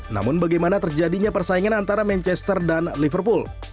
namun bagaimana terjadinya persaingan antara manchester dan liverpool